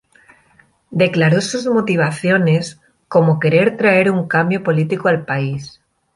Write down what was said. Declaró sus motivaciones, como querer traer un cambio político al país.